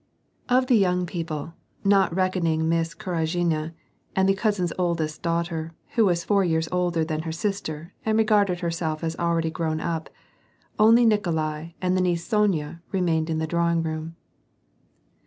Of the young people, not reckoning Miss Kuragina and the count's oldest daughter, who was four years older than her sister and regarded herself as already grown up — only Nikolai and the niece Sonya remained in the drawing room.